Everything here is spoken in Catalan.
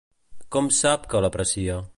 Com sap que l'aprecia?